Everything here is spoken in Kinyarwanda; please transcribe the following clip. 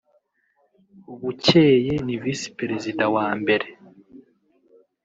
Bukeye ni Visi-Perezida wa mbere